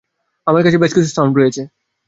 আমার কাছে বেশ কিছু সাউন্ড রয়েছে।